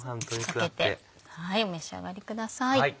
かけてお召し上がりください。